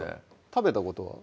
食べたことは？